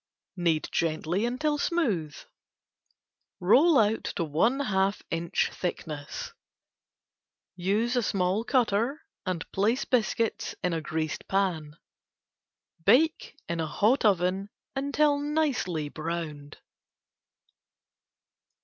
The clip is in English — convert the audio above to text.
Knead gently until smooth. Roll out to one half inch thickness. Use small cutter and place biscuits in greased pan. Bake in a hot oven until nicely browned.